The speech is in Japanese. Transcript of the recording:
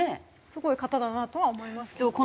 すごい方だなとは思いますけどね。